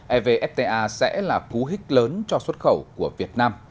evfta sẽ là cú hích lớn cho xuất khẩu của việt nam